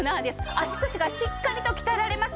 足腰がしっかりと鍛えられます。